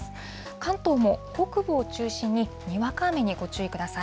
関東も北部を中心ににわか雨にご注意ください。